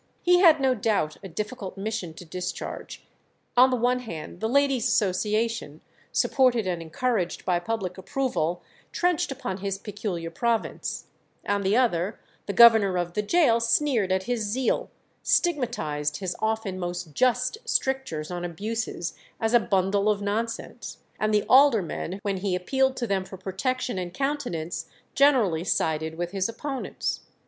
He had no doubt a difficult mission to discharge; on the one hand, the Ladies' Association, supported and encouraged by public approval, trenched upon his peculiar province; on the other, the governor of the gaol sneered at his zeal, stigmatized his often most just strictures on abuses as "a bundle of nonsense," and the aldermen, when he appealed to them for protection and countenance, generally sided with his opponents.